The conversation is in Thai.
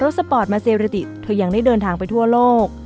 สปอร์ตมาเซเรติเธอยังได้เดินทางไปทั่วโลก